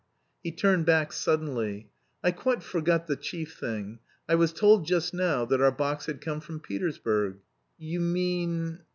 He turned back suddenly. "I quite forgot the chief thing. I was told just now that our box had come from Petersburg." "You mean..."